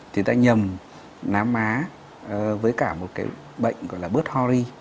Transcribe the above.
thì ta nhầm nám má với cả một bệnh gọi là bớt hori